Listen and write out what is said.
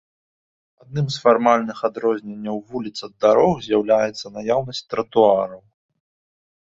Адным з фармальных адрозненняў вуліц ад дарог з'яўляецца наяўнасць тратуараў.